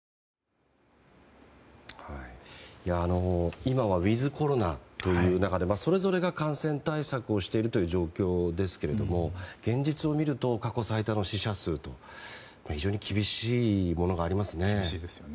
今はウィズコロナという中でそれぞれが感染対策をしている状況ですが現実を見ると過去最多の死者数で非常に厳しいものがありますね。